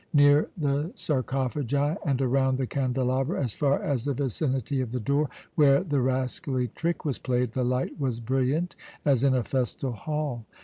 Near the sarcophagi, and around the candelabra as far as the vicinity of the door, where the rascally trick was played, the light was brilliant as in a festal hall.